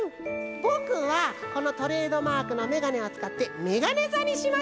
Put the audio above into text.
ぼくはこのトレードマークのメガネをつかってメガネざにしました！